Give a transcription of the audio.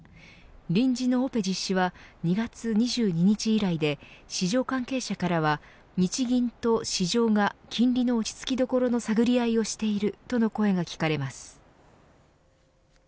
臨時のオペ実施は２月２２日以来で市場関係者からは日銀と市場が金利の落ち着きどころの探り合いをしているとの声が聞かれます。